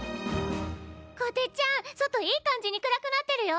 こてっちゃん外いい感じに暗くなってるよ。